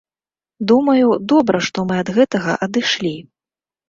Думаю, добра, што мы ад гэтага адышлі.